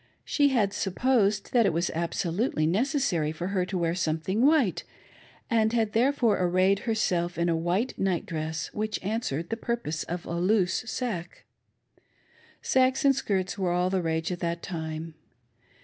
She had supposed that it was absolutely neces sary for her to wear something white, and had therefore ar rayed herself in a white night dress which answered the pur pose of a loose sacque. Sacques and skirts were all the rage at that time.